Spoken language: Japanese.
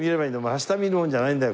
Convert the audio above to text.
真下を見るもんじゃないんだよ